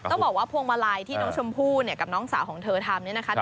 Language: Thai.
ต้องบอกว่าพวงมาลัยที่น้องชมพู่เนี่ยกับน้องสาวของเธอทำเนี่ยนะคะ